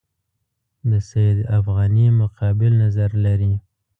د سید افغاني مقابل نظر لري.